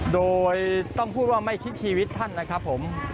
โดยต้องพูดว่าไม่คิดชีวิตท่านนะครับผม